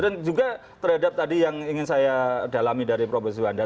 dan juga terhadap tadi yang ingin saya dalami dari prof zuhanda